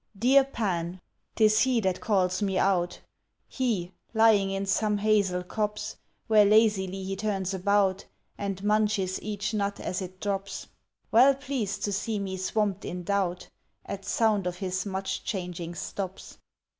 Dear Pan! 'Tis he that calls me out; He, lying in some hazel copse, Where lazily he turns about And munches each nut as it drops, Well pleased to see me swamped in doubt At sound of his much changing stops.